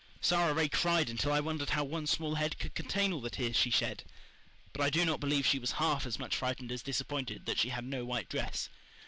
Sara Ray cried until I wondered how one small head could contain all the tears she shed. But I do not believe she was half as much frightened as disappointed that she had no white dress.